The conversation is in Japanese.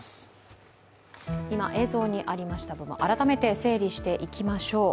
今、映像にありましたけれども、改めて整理していきましょう。